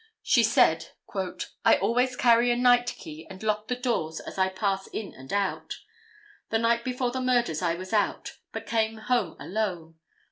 She said—"I always carry a night key and lock the doors, as I pass in and out. The night before the murders I was out, but came home alone.